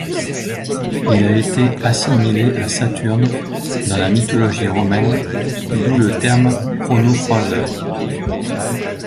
Il a été assimilé à Saturne dans la mythologie romaine, d'où le terme kronocroiseur.